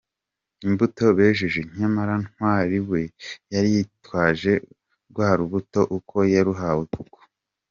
imbuto bejeje, nyamara Ntwari we yari yitwaje rwa rubuto uko yaruhawe kuko.